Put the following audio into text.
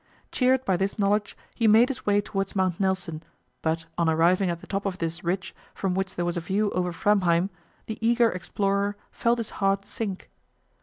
Cheered by this knowledge, he made his way towards Mount Nelson, but on arriving at the top of this ridge, from which there was a view over Framheim, the eager explorer felt his heart sink.